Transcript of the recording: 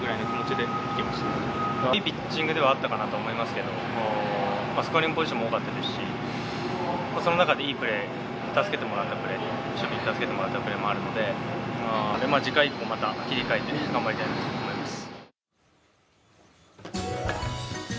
いいピッチングではあったかなと思いますけど、スコアリングポジションも多かったですしその中でいいプレー、守備に助けてもらったプレーもありましたので次回以降、また切り替えて頑張りたいと思います。